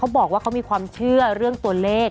บอกว่าเขามีความเชื่อเรื่องตัวเลข